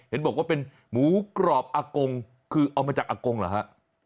เห็นบอกว่าเป็นหมูกรอบอากงคือเอามาจากอากงเหรอฮะ